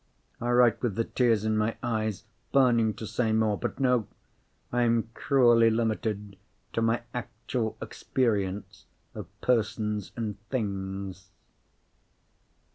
I write with the tears in my eyes, burning to say more. But no—I am cruelly limited to my actual experience of persons and things.